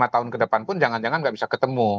lima tahun ke depan pun jangan jangan nggak bisa ketemu